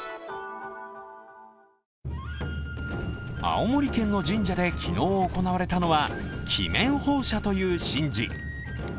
青森県の神社で昨日、行われたのは鬼面奉射という神事。